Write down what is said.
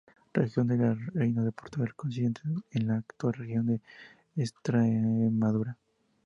Región del Reino de Portugal coincidente con la actual región de Estremadura.